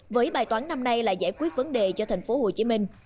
với bài toán năm nay là giải quyết vấn đề cho tp hcm